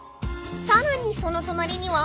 ［さらにその隣には］